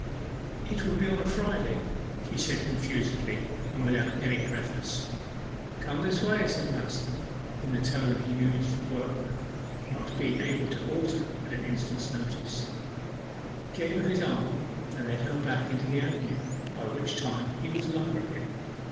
'It will be on a Friday,' she said confusedly, and without any preface. 'Come this way!' said Manston, in the tone he used for workmen, not being able to alter at an instant's notice. He gave her his arm and led her back into the avenue, by which time he was lover again.